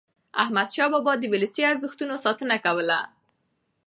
احمدشاه بابا د ولسي ارزښتونو ساتنه کوله.